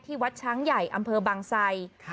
วัดช้างใหญ่อำเภอบางไซ